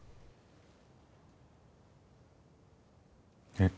えっ？